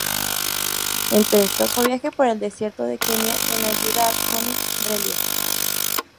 Entre estas, su viaje por el desierto de Kenia en ayuda a "Comic Relief".